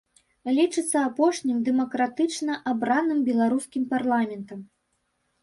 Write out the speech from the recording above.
Лічыцца апошнім дэмакратычна абраным беларускім парламентам.